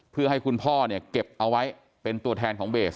เพื่อให้คุณพ่อเนี่ยเก็บเอาไว้เป็นตัวแทนของเบส